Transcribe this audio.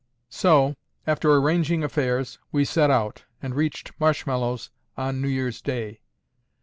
So, after arranging affairs, we set out, and reached Marshmallows on New Year's Day.